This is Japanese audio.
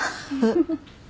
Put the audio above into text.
フフフ。